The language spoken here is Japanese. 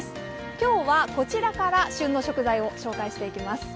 今日はこちらから旬の食材を紹介していきます